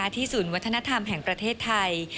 ศูนย์วัฒนธรรมแห่งประเทศไทย